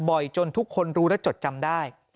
จนทุกคนรู้และจดจำได้